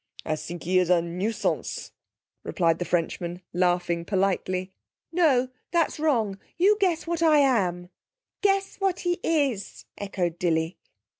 'I sink he is a nuisance,' replied the Frenchman, laughing politely. 'No, that's wrong. You guess what I am.' 'Guess what he is,' echoed Dilly.